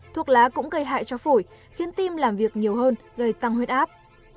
thuốc lá cũng gây hại cho phổi khiến tim làm việc nhiều hơn gây tăng huyết áp